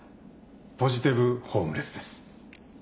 ポジティブホームレスです。